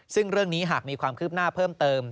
ซึ่งเรื่องนี้หากมีความคืบหน้าเพิ่มเติม